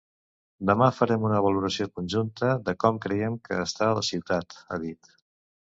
Demà farem una valoració conjunta de com creiem que està la ciutat, ha dit.